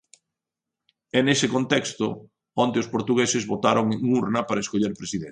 E nese contexto, onte os portugueses votaron en urna para escoller presidente.